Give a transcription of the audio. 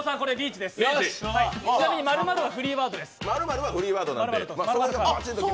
ちなみに○○はフリーワードです。